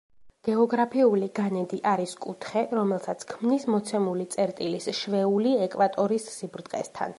გეოგრაფიული განედი არის კუთხე, რომელსაც ქმნის მოცემული წერტილის შვეული ეკვატორის სიბრტყესთან.